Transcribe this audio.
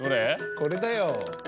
これだよ。